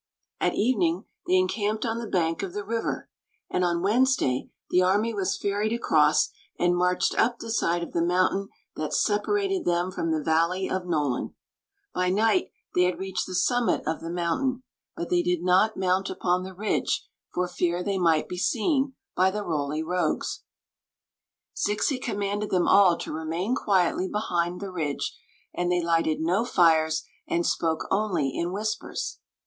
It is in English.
At evening they encamped on the bank of the river, and on Wednesday the army was ferried across, and marched up the side of the mountain that separated them from the vailey of N< ;nd By night they had reached the summit of the mountain ; but they did not mount upon the rid^^e, for fear they might be seen by the Roly Rogues. Zixi commanded them all to remain quietly behind the ffidge, and they, lighted no fires and spoke only in whispers.